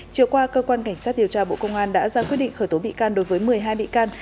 chiều qua cơ quan cảnh sát điều tra bộ công an đã ra quyết định khởi tố bị can đối với một mươi hai bị can